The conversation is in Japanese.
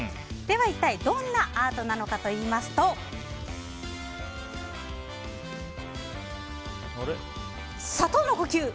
では一体、どんなアートなのかといいますと砂糖の呼吸！